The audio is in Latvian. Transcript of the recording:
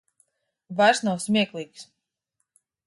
Vairs nav smieklīgs.